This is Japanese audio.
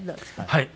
はい。